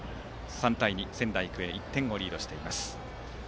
３対２、仙台育英が１点をリードしています。